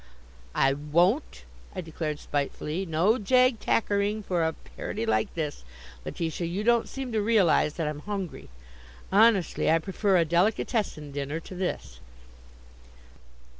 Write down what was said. "I won't," I declared spitefully. "No _jag tackar_ing for a parody like this, Letitia. You don't seem to realize that I'm hungry. Honestly, I prefer a delicatessen dinner to this."